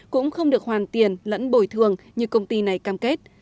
cũng không được hoàn tiền lẫn bồi thường như công ty này cam kết